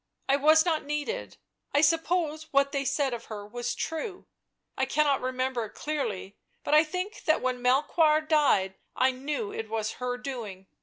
" I was not needed. I suppose what they said of her was true. I cannot remem ber clearly, but I think that when Melchoir died I knew it was her doing."